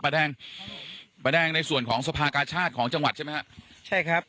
ป้าแดงในส่วนของสภากาชาติของจังหวัดใช่ไหมฮะใช่ครับ